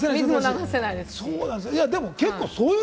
水も流せないですし。